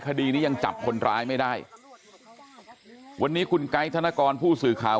คดีนี้ยังจับคนร้ายไม่ได้วันนี้คุณไกด์ธนกรผู้สื่อข่าว